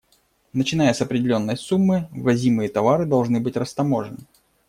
Начиная с определённой суммы, ввозимые товары должны быть растаможены.